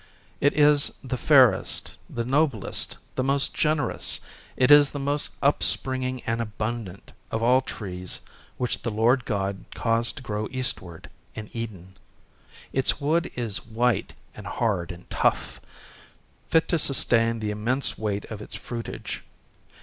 It is the fairest, the noblest, the most generous, it is the most upspringing and abundant, of all trees which the Lord God caused to grow eastward in Eden. Its wood is white and hard and tough, fit to sustain the immense weight of its fruitage.